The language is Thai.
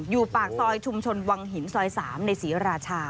ปากซอยชุมชนวังหินซอย๓ในศรีราชา